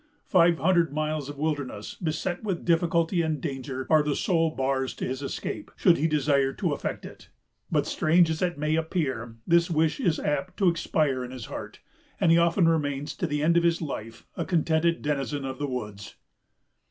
Five hundred miles of wilderness, beset with difficulty and danger, are the sole bars to his escape, should he desire to effect it; but, strange as it may appear, this wish is apt to expire in his heart, and he often remains to the end of his life a contented denizen of the woods.